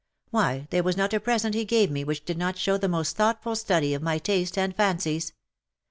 Why there was not a present he gave me which did not show the most thoughtful study of my tastes and fancies.